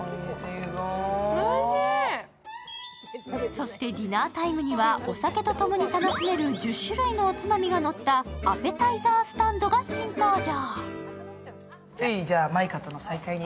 そしてディナータイムにはお酒とともに楽しめる１０種類のおつまみがのったアペタイザースタンドが新登場。